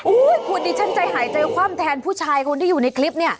คุณดิฉันใจหายใจคว่ำแทนผู้ชายคนที่อยู่ในคลิปเนี่ย